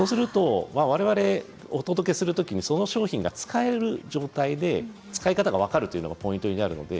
われわれがお届けするときにその商品が使える状態で使い方が分かるということがポイントです。